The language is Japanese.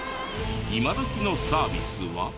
今どきのサービスは？